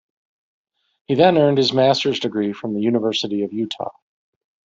He then earned his master's degree from the University of Utah.